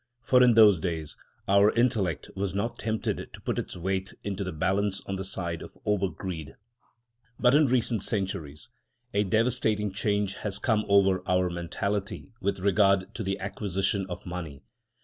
For in those days our intellect was not tempted to put its weight into the balance on the side of over greed. But in recent centuries a devastating change has come over our mentality with regard to the acquisition of money.